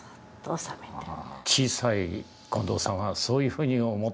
小さい近藤さんはそういうふうに思っていたわけですね。